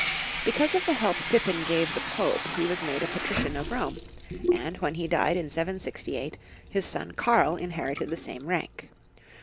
BECAUSE of the help Pippin gave the Pope he was made a patrician of Rome ; and, when he died in 768, his son Karl inherited the same rank.